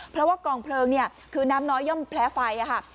เพราะว่ากองเพลิงเนี่ยคือน้ำน้อยย่อมแพ้ไฟค่ะ